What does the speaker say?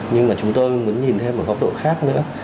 nhưng mà chúng tôi muốn nhìn thêm một góc độ khác nữa